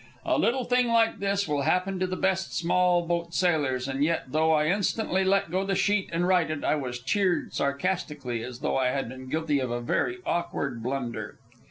A little thing like this will happen to the best small boat sailors, and yet, though I instantly let go the sheet and righted, I was cheered sarcastically, as though I had been guilty of a very awkward blunder.